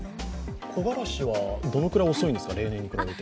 木枯らしはどのくらい遅いんですか例年に比べて。